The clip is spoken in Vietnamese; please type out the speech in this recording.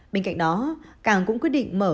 bên cạnh đó cảng cũng quyết định mở